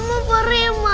mama beri mama